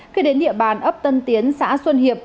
khi đến địa bàn ấp tân tiến xã xuân hiệp